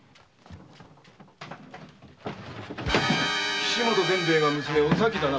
岸本善兵衛が娘・お咲だな？